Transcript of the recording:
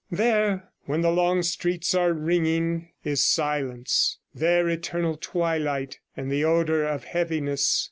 There, when the long streets are ringing, is silence, there eternal twilight, and the odour of heaviness.